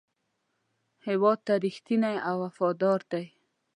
هېواد ته رښتینی او وفادار دی.